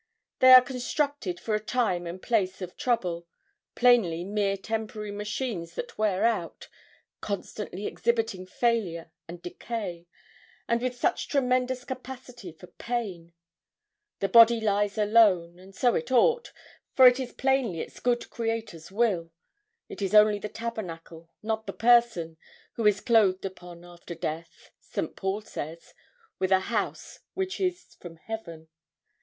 They are constructed for a time and place of trouble plainly mere temporary machines that wear out, constantly exhibiting failure and decay, and with such tremendous capacity for pain. The body lies alone, and so it ought, for it is plainly its good Creator's will; it is only the tabernacle, not the person, who is clothed upon after death, Saint Paul says, "with a house which is from heaven."